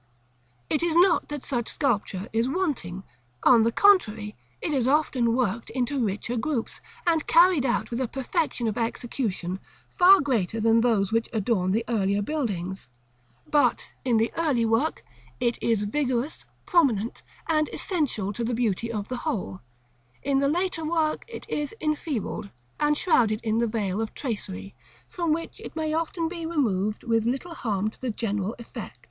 It is not that such sculpture is wanting; on the contrary, it is often worked into richer groups, and carried out with a perfection of execution, far greater than those which adorn the earlier buildings: but, in the early work, it is vigorous, prominent, and essential to the beauty of the whole; in the late work it is enfeebled, and shrouded in the veil of tracery, from which it may often be removed with little harm to the general effect.